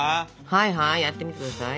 はいはいやってみてください。